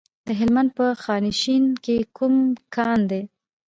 د هلمند په خانشین کې کوم کان دی؟